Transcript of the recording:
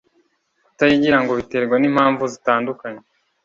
Kutayigira ngo biterwa n’impamvu zitandukanye